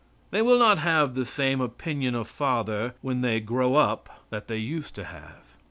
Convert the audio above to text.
They will not have the same opinion of father when they grow up that they used to have.